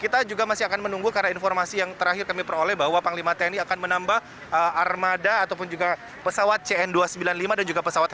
kita juga masih akan menunggu karena informasi yang terakhir kami peroleh bahwa panglima tni akan menambah armada ataupun juga pesawat cn dua ratus sembilan puluh lima dan juga pesawat tiga